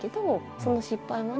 その失敗もね